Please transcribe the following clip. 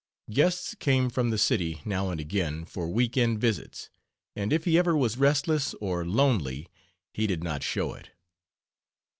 Guests came from the city, now and again, for week end visits, and if he ever was restless or lonely he did not show it.